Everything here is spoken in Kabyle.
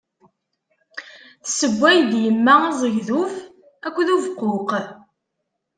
Tsewway-d yemma azegḍuf akked ubeqquq.